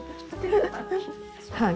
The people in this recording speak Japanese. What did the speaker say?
はい。